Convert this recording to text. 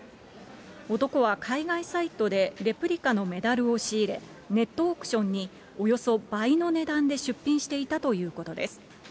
男は海外サイトでレプリカのメダルを仕入れ、ネットオークションに、およそ倍の値段で出品していたということです。